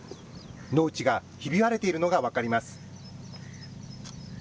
農地がひび割れているのが分かります。